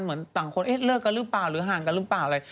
เหมือนต่างคนเอ๊ะเลิกกันหรือเปล่าหรือห่างกันหรือเปล่าอะไร